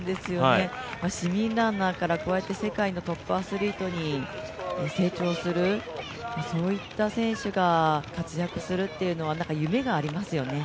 市民ランナーから世界のトップアスリートに成長するそういった選手が活躍するというのは夢がありますね。